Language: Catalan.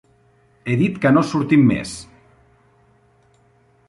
He dit que no sortim més.